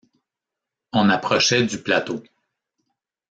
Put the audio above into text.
On approchait du plateau